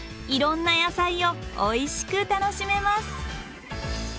いろんな野菜をおいしく楽しめます。